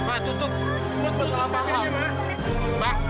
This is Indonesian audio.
semua ini bukan kesalahan kajanya mah